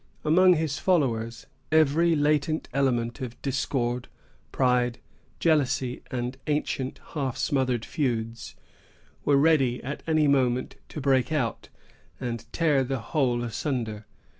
Among his followers, every latent element of discord, pride, jealousy, and ancient half smothered feuds, were ready at any moment to break out, and tear the whole asunder.